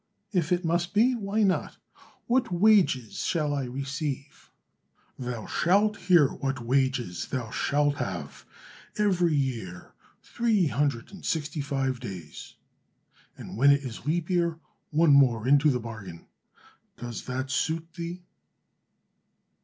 "If it must be, why not? What wages shall I receive?" "Thou shalt hear what wages thou shalt have. Every year three hundred and sixty five days, and when it is leap year, one more into the bargain. Does that suit thee?"